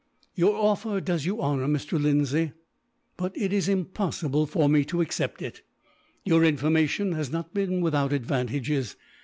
"Your offer does you honour, Mr. Lindsay, but it is impossible for me to accept it. Your information has not been without advantages.